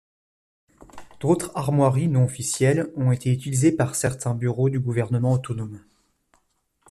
D'autres armoiries, non officielles, ont été utilisées par certains bureaux du gouvernement autonome.